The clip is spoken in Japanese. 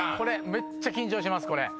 めっちゃ緊張します。